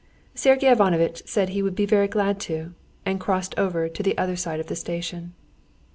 Sergey Ivanovitch said he would be very glad to, and crossed over to the other side of the station.